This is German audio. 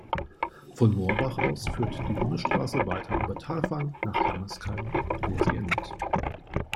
Von Morbach aus führt die Bundesstraße weiter über Thalfang nach Hermeskeil, wo sie endet.